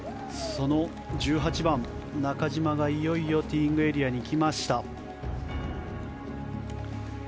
その１８番、中島がいよいよティーイングエリアに来ました。